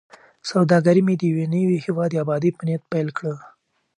سوداګري مې د یوه نوي هیواد د ابادۍ په نیت پیل کړه.